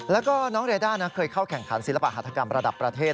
แล้วก็น้องเรด้าเคยเข้าแข่งขันศิลปะหัฐกรรมระดับประเทศ